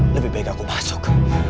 lebih baik aku masuk